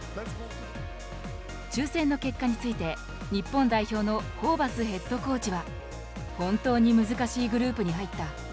抽せんの結果について日本代表のホーバスヘッドコーチは本当に難しいグループに入った。